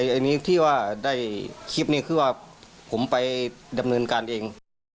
อันนี้ที่ว่าได้คลิปนี้คือว่าผมไปดำเนินการเอง